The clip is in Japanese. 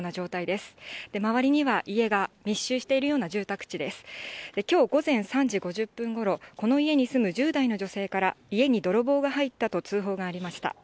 きょう午前３時５０分ごろ、この家に住む１０代の女性から、家に泥棒が入ったと通報がありました。